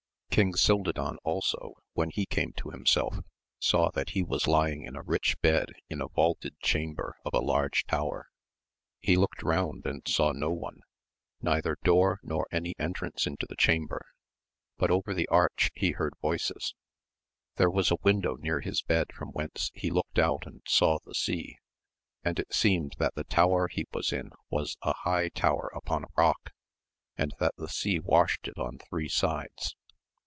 King Cildadan also, when he came to himself, saw that he was lying in a rich bed in the vaulted chamber of a large tower. He looked 64 AMADIS OF GAUL. round and saw no one, neither door nor any entrance into the chamber, but over the arch he heard voices. There was a window near his bed from whence he looked out and saw the sea, and it seemed that the tower he was in was a high tower upon a rock, and that the sea washed it on three sides.